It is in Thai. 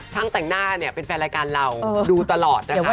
ช่างแต่งหน้าเป็นแฟนรายการเราดูตลอดนะคะ